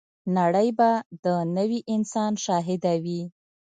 نړۍ به د نوي انسان شاهده وي.